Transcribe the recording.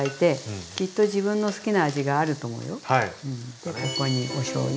でここにおしょうゆ。